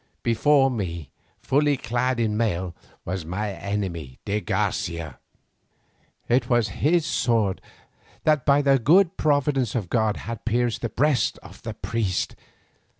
Before me fully clad in mail was my enemy, de Garcia. It was his sword that by the good providence of God had pierced the breast of the priest.